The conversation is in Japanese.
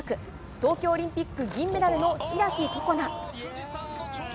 東京オリンピック銀メダルの開心那。